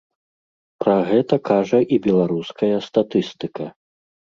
Пра гэта кажа і беларуская статыстыка.